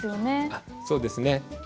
あっそうですね。